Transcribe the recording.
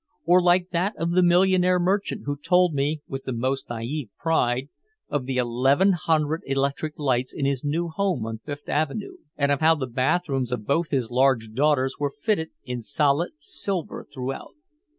Or like that of the millionaire merchant who told me with the most naïve pride of the eleven hundred electric lights in his new home on Fifth Avenue, and of how the bathrooms of both his large daughters were fitted in solid silver throughout.